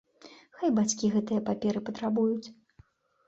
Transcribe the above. Хай бацькі гэтыя паперы патрабуюць.